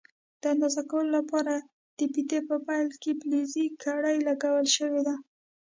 د اندازه کولو لپاره د فیتې په پیل کې فلزي کړۍ لګول شوې ده.